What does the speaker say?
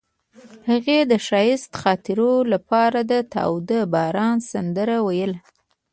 هغې د ښایسته خاطرو لپاره د تاوده باران سندره ویله.